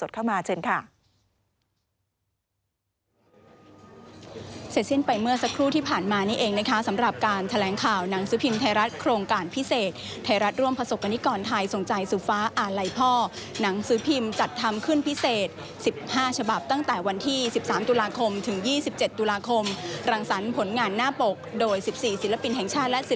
สักครู่ที่ผ่านมานี่เองนะคะสำหรับการแถลงข่าวหนังสือพิมพ์ไทยรัฐโครงการพิเศษไทยรัฐร่วมประสบการณีกรไทยส่งใจสู่ฟ้าอาลัยพ่อหนังสือพิมพ์จัดทำขึ้นพิเศษสิบห้าจบับตั้งแต่วันที่สิบสามตุลาคมถึงยี่สิบเจ็ดตุลาคมรังสรรผลงานหน้าปกโดยสิบสี่ศิลปินแห่งชาติและศิ